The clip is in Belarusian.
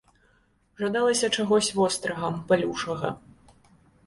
Жадалася чагось вострага, балючага.